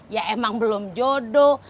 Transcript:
ya emang belum jodoh